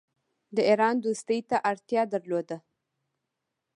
د ایران دوستی ته اړتیا درلوده.